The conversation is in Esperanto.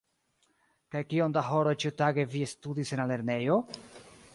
Kaj kiom da horoj ĉiutage vi studis en la lernejo?